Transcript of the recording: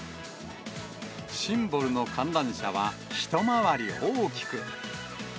シンボルの観覧車は、一回り大きく。